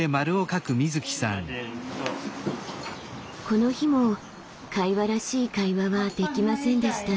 この日も会話らしい会話はできませんでした。